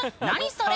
それ。